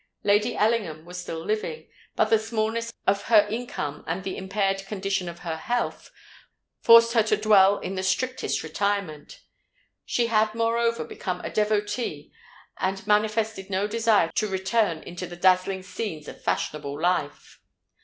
Lady Ellingham was still living: but the smallness of her income and the impaired condition of her health, forced her to dwell in the strictest retirement. She had moreover become a devotee, and manifested no desire to return into the dazzling scenes of fashionable life.